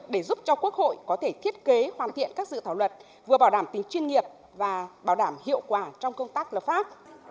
để giúp cho quốc hội có thể thiết kế hoàn thiện các dự thảo luật vừa bảo đảm tính chuyên nghiệp và bảo đảm hiệu quả trong công tác lập pháp